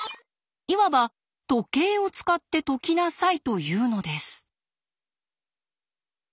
いわば「時計を使って解きなさい」というのです。